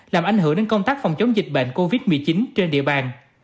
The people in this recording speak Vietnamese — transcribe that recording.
làm ảnh hưởng đến công tác phòng chống dịch bệnh covid một mươi chín trên địa bàn